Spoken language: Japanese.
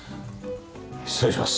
失礼します。